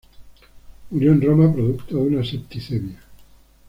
Murió en Roma producto de una septicemia.